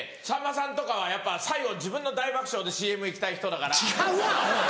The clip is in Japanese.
さんまさんとかはやっぱ最後自分の大爆笑でＣＭ行きたい人だから。